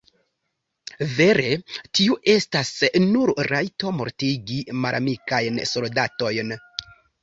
Vere tiu estas nur rajto mortigi malamikajn soldatojn.